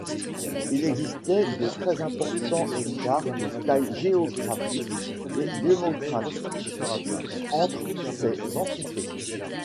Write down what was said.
Il existait de très importants écarts de taille géographique et démographique entre ces entités.